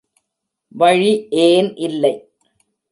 வழி ஏன் இல்லை.